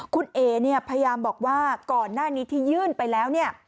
คุณเอ๋พยายามบอกว่าก่อนหน้านี้ที่ยื่นไปแล้ว